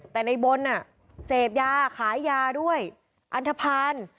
แต่ในบนเสพยาขายยาด้วยอันทภาณ